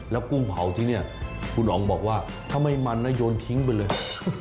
แล้วกุ้งเผาที่นี่คุณอ๋องบอกว่าถ้าไม่มันนะโยนทิ้งไปเลย